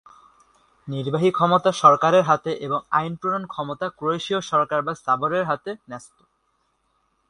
নির্বাহী ক্ষমতা সরকারের হাতে এবং আইন প্রণয়ন ক্ষমতা ক্রোয়েশীয় সংসদ বা সাবর-এর হাতে ন্যস্ত।